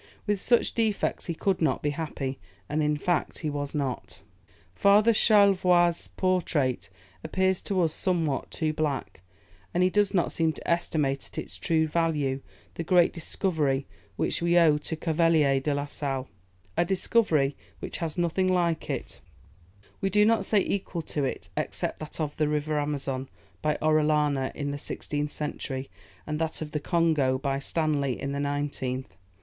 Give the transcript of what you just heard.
With such defects he could not be happy, and in fact he was not." Father Charlevoix's portrait appears to us somewhat too black, and he does not seem to estimate at its true value the great discovery which we owe to Cavelier de la Sale; a discovery, which has nothing like it, we do not say equal to it, except that of the river Amazon, by Orellana, in the 16th century, and that of the Congo, by Stanley, in the 19th.